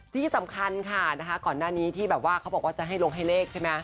ที่สำคัญค่ะนะคะก่อนหน้านี้ที่แบบว่าเขาบอกว่าจะให้ลงให้เลขใช่ไหม